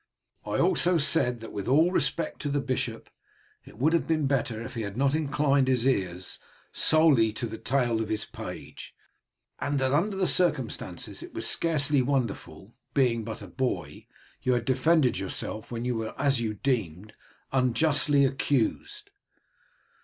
I also said that, with all respect to the bishop, it would have been better had he not inclined his ears solely to the tale of his page, and that under the circumstances it was scarcely wonderful that, being but a boy, you had defended yourself when you were, as you deemed, unjustly accused.